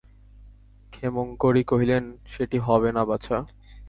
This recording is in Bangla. ক্ষেমংকরী কহিলেন, সেটি হবে না বাছা!